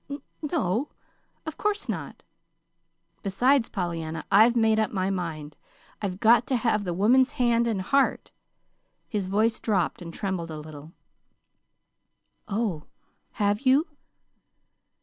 "N no, of course not." "Besides Pollyanna, I've made up my mind. I've got to have the woman's hand and heart." His voice dropped, and trembled a little. "Oh h, have you?"